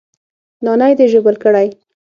نانى دې ژوبل کړى.